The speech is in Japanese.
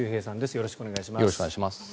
よろしくお願いします。